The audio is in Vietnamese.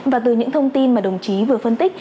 và từ những thông tin mà đồng chí vừa phân tích